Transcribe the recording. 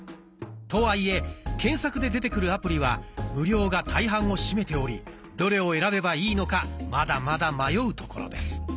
とはいえ検索で出てくるアプリは無料が大半を占めておりどれを選べばいいのかまだまだ迷うところです。